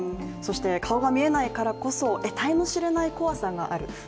そして顔が見えないからこそ、得体の知れない怖さがある。